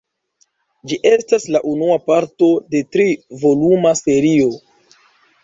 Ĝi estas la unua parto de tri-voluma serio.